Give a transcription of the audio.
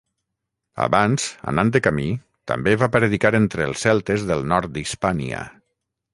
Abans, anant de camí, també va predicar entre els celtes del nord d'Hispània.